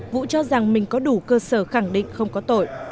vũ cho rằng mình có đủ cơ sở khẳng định không có tội